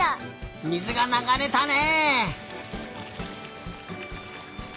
水がながれたね！